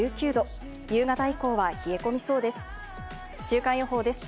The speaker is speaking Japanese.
夕方以降は冷え込みそうです。